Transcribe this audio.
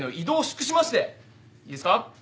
いいですか？